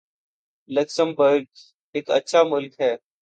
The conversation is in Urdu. لکسمبرگ